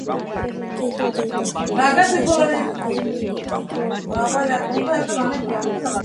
কিন্তু অতিরিক্ত সময়ের শেষের আগের মিনিটে গোল পরিশোধ করে বসেন বার্ডসলি।